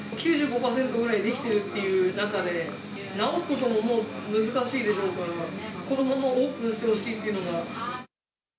９５％ぐらい出来ているという中で、直すことももう難しいでしょうから、このままオープンしてほしいというのが。